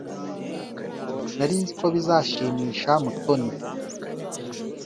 Nari nzi ko bizashimisha Mutoni.